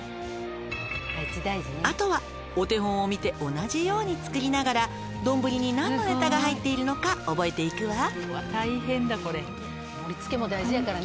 「あとはお手本を見て同じように作りながら丼に何のネタが入っているのか覚えていくわ」